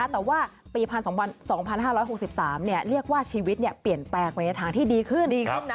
แต่ว่าปี๒๕๖๓เรียกว่าชีวิตเปลี่ยนแปลกไปทางที่ดีขึ้น